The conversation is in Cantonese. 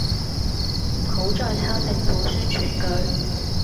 唔好再抄政府宣傳句